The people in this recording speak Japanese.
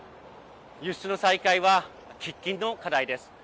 輸出の再開は喫緊の課題です。